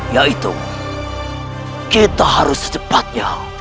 yaitu kita harus secepatnya